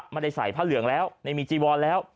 ไม่ได้ใส่ผ้าเหลืองแล้วไม่มีจีวอนแล้ว